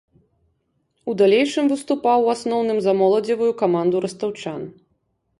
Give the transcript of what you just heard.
У далейшым выступаў у асноўным за моладзевую каманду растаўчан.